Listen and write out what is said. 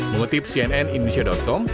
mengutip cnn indonesia com